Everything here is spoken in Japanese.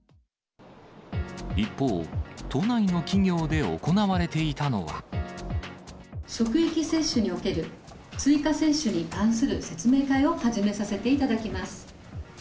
一方、都内の企業で行われていたのは。職域接種における追加接種に関する説明会を始めさせていただきます。